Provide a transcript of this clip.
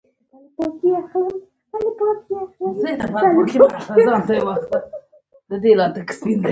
ما ورته وویل ته خو د ډېر عمر نه یې.